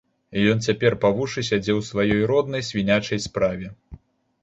Ён цяпер па вушы сядзеў у сваёй роднай свінячай справе.